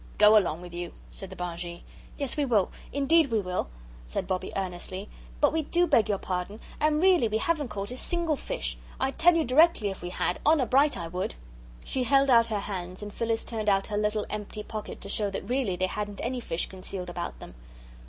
"Go along with you," said the Bargee. "Yes, we will; indeed we will," said Bobbie, earnestly; "but we do beg your pardon and really we haven't caught a single fish. I'd tell you directly if we had, honour bright I would." She held out her hands and Phyllis turned out her little empty pocket to show that really they hadn't any fish concealed about them.